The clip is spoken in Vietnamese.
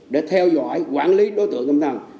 để theo dõi quản lý đối tượng tâm thần